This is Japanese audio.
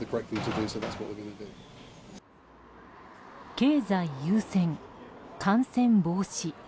経済優先、感染防止。